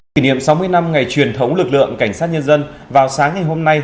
kỷ niệm sáu mươi năm ngày truyền thống lực lượng cảnh sát nhân dân vào sáng ngày hôm nay